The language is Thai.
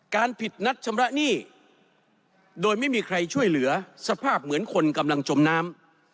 การผิดนัดชำระหนี้โดยไม่มีใครช่วยเหลือสภาพเหมือนคนกำลังจมน้ำ